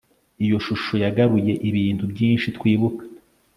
iyo shusho yagaruye ibintu byinshi twibuka